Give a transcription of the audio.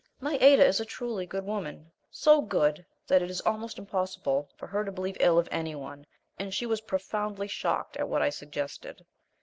My Ada is a truly good woman so good that it is almost impossible for her to believe ill of any one, and she was profoundly shocked at what I suggested.